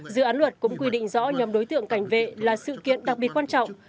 dự án luật cũng quy định rõ nhóm đối tượng cảnh vệ là sự kiện đặc biệt quan trọng